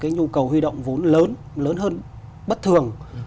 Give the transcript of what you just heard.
như cầu huy động vốn lớn hơn bất thường